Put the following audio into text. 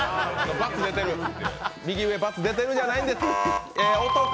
右上×出てるじゃないんです。